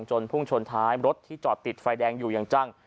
พุ่งชนท้ายรถที่จอดติดไฟแดงอยู่อย่างจัง